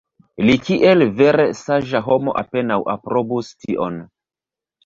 Li kiel vere saĝa homo apenaŭ aprobus tion.